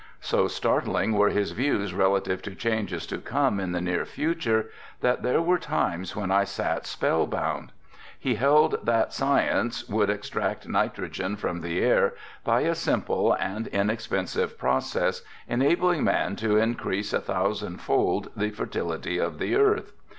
So startling were his views relative to changes to come in the near future that there were times when I sat spell bound. He held that science would extract nitrogen from the air by a simple and inexpensive process enabling man to increase a thousand fold the fertility of the earth.